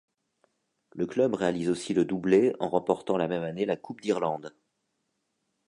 Le club réalise aussi le doublé en remportant la même année la Coupe d’Irlande.